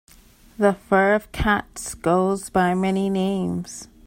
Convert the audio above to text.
The fur of cats goes by many names.